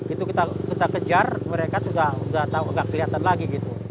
itu kita kejar mereka sudah tidak kelihatan lagi gitu